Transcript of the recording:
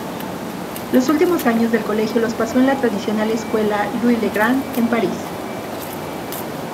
Los últimos años del colegio los pasó en la tradicional escuela "Louis-le-Grand" en París.